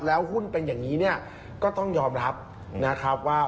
แล้วหุ้นเป็นอย่างนี้เนี่ยก็ต้องยอมรับนะครับว่า